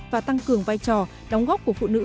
và tăng cường vai trò đóng góp của phụ nữ